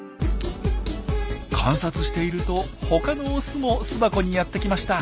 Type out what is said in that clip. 観察していると他のオスも巣箱にやって来ました。